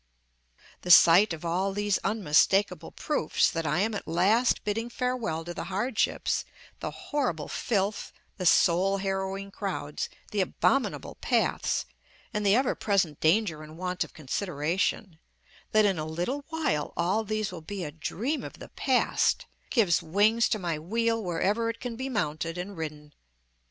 The sight of all these unmistakable proofs that I am at last bidding farewell to the hardships, the horrible filth, the soul harrowing crowds, the abominable paths, and the ever present danger and want of consideration; that in a little while all these will be a dream of the past, gives wings to my wheel wherever it can be mounted, and ridden.